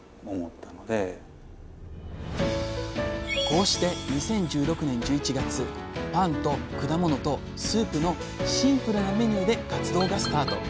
こうして２０１６年１１月パンと果物とスープのシンプルなメニューで活動がスタート。